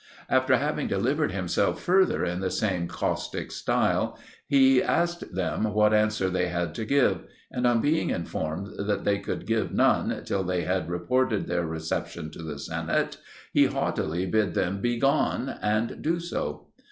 After having delivered himself further in the same caustic style, he asked them what answer they had to give; and, on being informed that they could give none till they had reported their reception to the senate, he haughtily bid them begone and do so.